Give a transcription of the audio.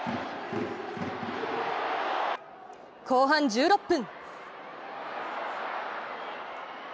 後半１６分。